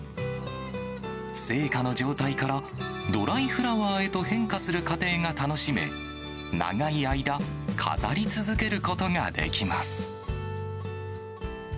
生花の状態から、ドライフラワーへと変化する過程が楽しめ、長い間、飾り続けることができます。